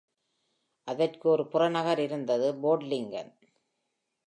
அதற்கு ஒரு புறநகர் இருந்தது-போர்ட் லின்கன்